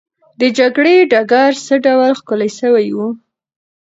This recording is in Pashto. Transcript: د جګړې ډګر څه ډول ښکلی سوی وو؟